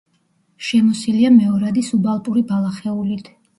შემოსილია მეორადი სუბალპური ბალახეულით.